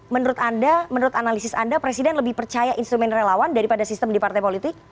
menurut anda menurut analisis anda presiden lebih percaya instrumen relawan daripada sistem di partai politik